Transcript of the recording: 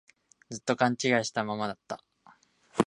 ずっと勘違いしたままだった